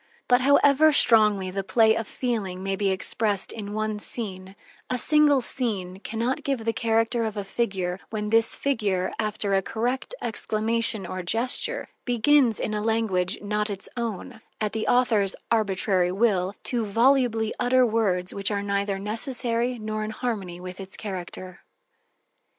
But however strongly the play of feeling may be expressed in one scene, a single scene can not give the character of a figure when this figure, after a correct exclamation or gesture, begins in a language not its own, at the author's arbitrary will, to volubly utter words which are neither necessary nor in harmony with its character.